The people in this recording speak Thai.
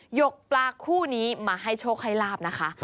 หกปลาคู่นี้มาให้โชคให้ลาบนะคะ